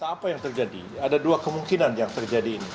apa yang terjadi ada dua kemungkinan yang terjadi ini